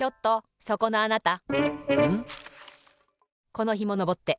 このひものぼって。